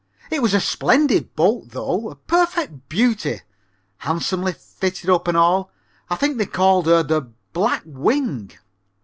"It was a splendid boat though, a perfect beauty, handsomely fitted up and all I think they called her the 'Black Wing.'"